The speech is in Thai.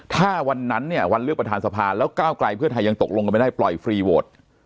ถ้าวันนั้นเนี่ยวันเลือกประธานสภาแล้วก้าวไกลเพื่อไทยยังตกลงกันไม่ได้ปล่อยฟรีโหวต